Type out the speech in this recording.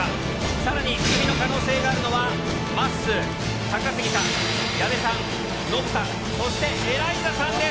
さらに、クビの可能性があるのは、まっすー、高杉さん、矢部さん、ノブさん、そしてエライザさんです。